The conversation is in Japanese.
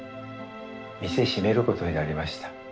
店閉める事になりました。